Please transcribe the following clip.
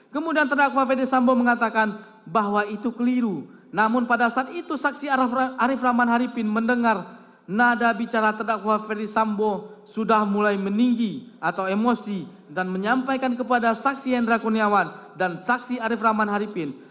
kemudian terdakwa ferdisambo mengatakan bahwa itu keliru namun pada saat itu saksi arief rahman haripin mendengar nada bicara terdakwa ferdisambo sudah mulai meninggi atau emosi dan menyampaikan kepada saksi hendra kuniawan dan saksi arief rahman haripin